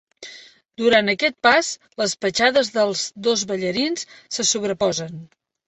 Durant aquest pas, les petjades dels dos ballarins se sobreposen.